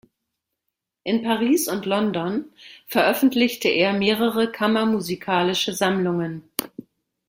In Paris und London veröffentlichte er mehrere kammermusikalische Sammlungen.